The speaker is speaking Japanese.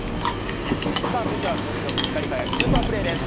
さあ続いては今週の光り輝くスーパープレーです。